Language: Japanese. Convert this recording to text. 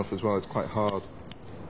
はい。